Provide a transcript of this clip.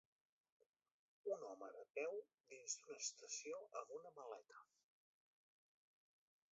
Un home de peu dins d'una estació amb una maleta